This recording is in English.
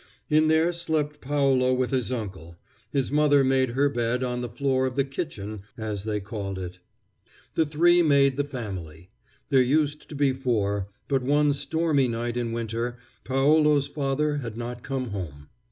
In there slept Paolo with his uncle; his mother made her bed on the floor of the "kitchen," as they called it. The three made the family. There used to be four; but one stormy night in winter Paolo's father had not come home.